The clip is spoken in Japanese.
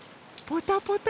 ポタポタ。